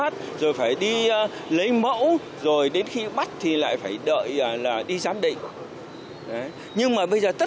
thì đòi hỏi cái thời gian đi giám định cũng rất là lâu